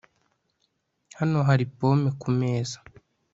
Hano hari pome kumeza